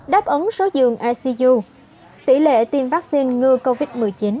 đáp ứng số dương icu tỷ lệ tiêm vaccine ngừa covid một mươi chín